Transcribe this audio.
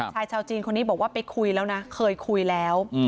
ชายชาวจีนคนนี้บอกว่าไปคุยแล้วนะเคยคุยแล้ว